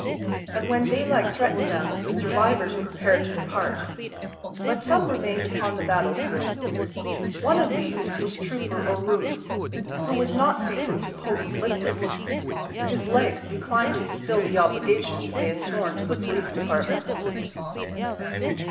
And when daylight threatened them the survivors prepared to depart. But some remained upon the battlefield. One of these was Trooper O'Roon, who was not seasoned to potent liquids. His legs declined to fulfil the obligations they had sworn to the police department.